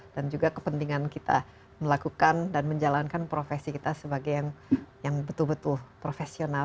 dan juga kepentingan kita melakukan dan menjalankan profesi kita sebagai yang betul betul profesional